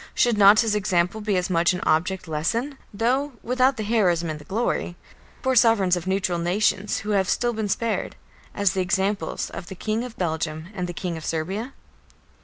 Should not his example be as much an object lesson though without the heroism and the glory for sovereigns of neutral nations who have still been spared, as the examples of the King of Belgium and the King of Serbia?